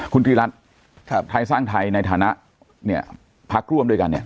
คุณตรีรัฐไทยสร้างไทยในฐานะเนี่ยพักร่วมด้วยกันเนี่ย